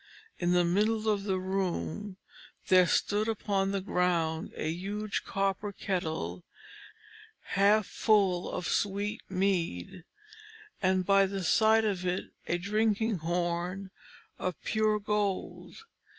In the middle of the room, there stood upon the ground a huge copper kettle half full of sweet mead, and by the side of it a drinking horn of pure gold.